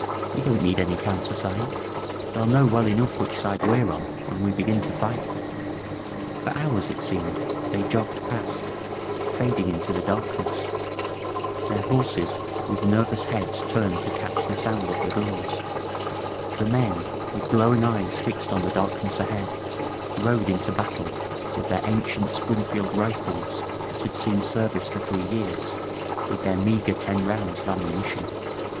*^We don't need any countersign! TheyHl know well enough which side we^re on when we b^in to fi^t f For hoars, it geemed, they jogged past, fading into the darkness, their horses with nerroos heads tamed to catch the sound of the guns, the men with growing eyes fixed on the darkness ahead — ^rode into battle with their ancient Springfield rifles that had seen ser vice for three years, with their meager ten rounds of ammunition.